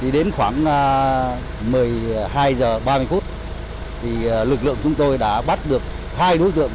đến khoảng một mươi hai giờ ba mươi phút lực lượng chúng tôi đã bắt được hai đối tượng